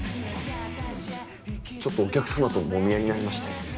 ちょっとお客様ともみ合いになりまして。